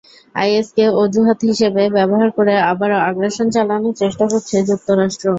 আইএসকে অজুহাত হিসেবে ব্যবহার করে আবারও আগ্রাসন চালানোর চেষ্টা করছে যুক্তরাষ্ট্র।